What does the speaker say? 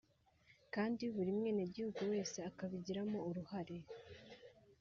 kandi buri mwenegihugu wese akabigiramo uruhare